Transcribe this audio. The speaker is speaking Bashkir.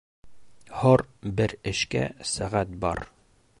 Һор бер эшкә сәғәт бар